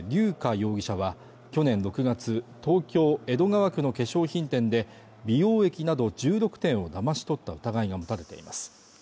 容疑者は去年６月東京・江戸川区の化粧品店で美容液など１６点をだまし取った疑いが持たれています